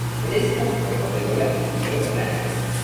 It is possible that they were left in the open air.